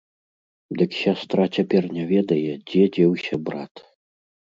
Дык сястра цяпер не ведае, дзе дзеўся брат.